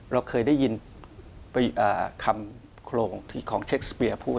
เราเคยได้ยินคำโครงที่ของเชคสเปียพูด